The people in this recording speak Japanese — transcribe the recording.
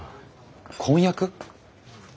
婚約？